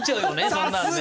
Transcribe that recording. そんなのね。